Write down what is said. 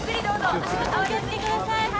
足元お気を付けください。